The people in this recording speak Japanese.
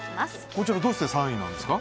こちらはどうして３位なんですか？